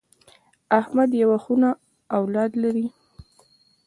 احمد یوه خونه اولاد لري.